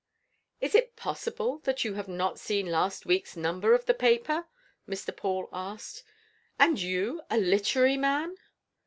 "Is it possible that you have not seen last week's number of the paper?" Mr. Paul asked. "And you a literary man!"